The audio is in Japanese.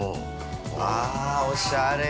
ああ、おしゃれ。